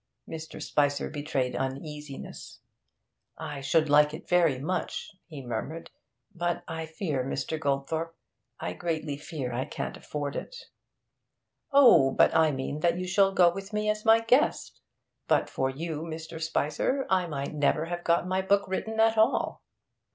Mr. Spicer betrayed uneasiness. 'I should like it much,' he murmured, 'but I fear, Mr. Goldthorpe, I greatly fear I can't afford it.' 'Oh, but I mean that you shall go with me as my guest! But for you, Mr. Spicer, I might never have got my book written at all.'